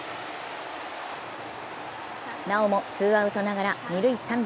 なおもツーアウトながら二・三塁。